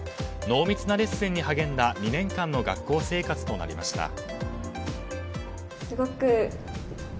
濃密なレッスンに励んだ２年間の学校生活となりました。